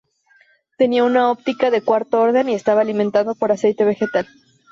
Tenía una óptica de cuarto orden y estaba alimentado por aceite vegetal.